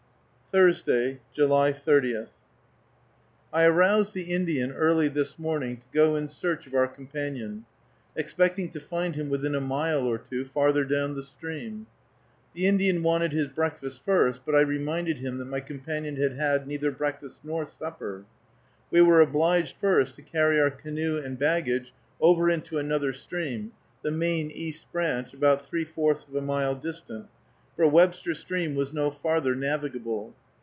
THURSDAY, July 30. I aroused the Indian early this morning to go in search of our companion, expecting to find him within a mile or two, farther down the stream. The Indian wanted his breakfast first, but I reminded him that my companion had had neither breakfast nor supper. We were obliged first to carry our canoe and baggage over into another stream, the main East Branch, about three fourths of a mile distant, for Webster Stream was no farther navigable.